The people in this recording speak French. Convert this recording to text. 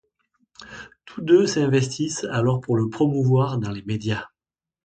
Tous deux s'investissent alors pour le promouvoir dans les médias.